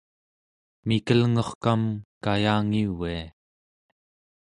mikelngurkam kayangivia